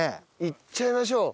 いっちゃいましょう。